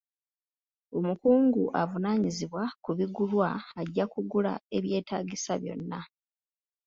Omukungu avunaanyizibwa ku bigulwa ajja kugula ebyetaagisa byonna.